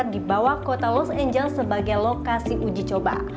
di bawah kota los angeles sebagai lokasi uji coba